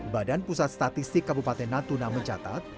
badan pusat statistik kabupaten natuna mencatat